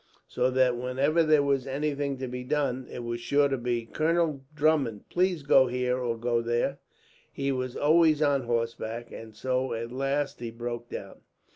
So that whenever there was anything to be done, it was sure to be, 'Colonel Drummond, please go here or go there.' He was always on horseback, and so at last he broke down.